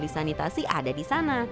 sanitasi ada di sana